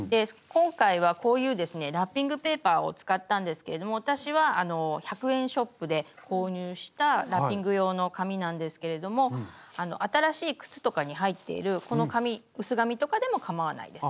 ラッピングペーパーを使ったんですけれども私は１００円ショップで購入したラッピング用の紙なんですけれども新しい靴とかに入っているこの紙薄紙とかでもかまわないです。